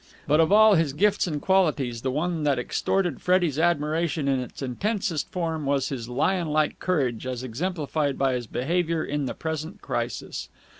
But of all his gifts and qualities the one that extorted Freddie's admiration in its intensest form was his lion like courage as exemplified by his behaviour in the present crisis.